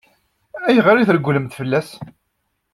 Ayɣer i tregglemt fell-as?